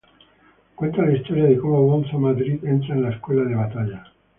Cuenta la historia de como "Bonzo" Madrid entra la Escuela de Batalla.